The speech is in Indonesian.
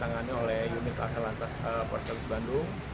penanganannya oleh unit akal lantas pores tabus bandung